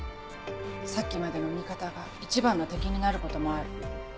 さっきまでの味方が一番の敵になることもある。